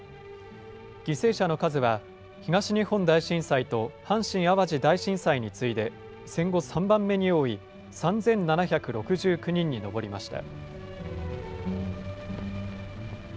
犠牲者の数は東日本大震災と阪神・淡路大震災に次いで戦後３番目に多い３７６９人に上りました。